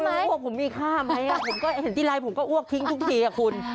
รู้ว่าผมมีค่าไหมผมก็เห็นทีไรผมก็อ้วกทิ้งทุกทีคุณ